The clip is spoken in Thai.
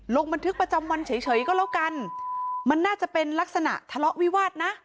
ลงบันทึกประจำวันเฉยก็แล้วกันมันน่าจะเป็นลักษณะทะเลาะวิวาสนะ